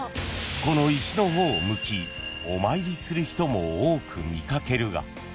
［この石の方を向きお参りする人も多く見掛けるが］